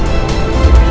aku tidak mau